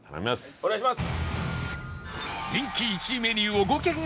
お願いします！